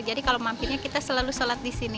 jadi kalau mampirnya kita selalu sholat di sini